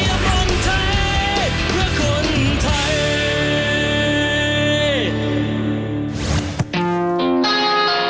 เราจะเชียร์บอลไทยเพื่อคนไทย